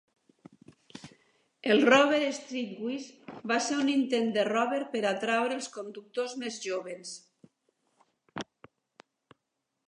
El Rover Streetwise va ser un intent de Rover per atraure els conductors més joves.